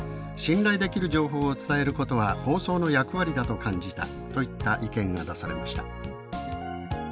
信頼できる情報を伝えることは放送の役割だと感じた」といった意見が出されました。